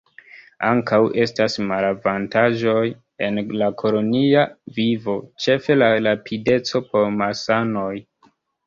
Ankaŭ estas malavantaĝoj en la kolonia vivo, ĉefe la rapideco por malsanoj.